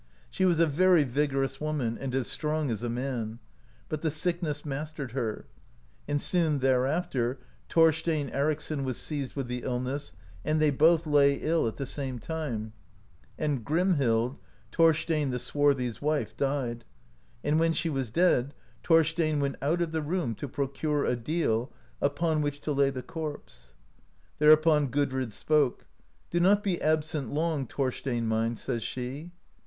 She was a very vigorous woman, and as strong as a man, but the sickness mastered her; and soon thereafter Thorstein Ericsson was seized with the illness, and they both lay ill at the same time; and Grimhild, Thorstein the Swarthy's wife, died, and when she was dead Thorstein went out of the room to procure a deal, upon which to lay the corpse. Thereupon Gudrid spoke. "Do not be absent long, Thorstein mine !" says she.